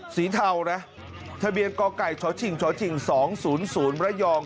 สีเทานะทะเบียนกกชชสองศูนย์ศูนย์ระยอง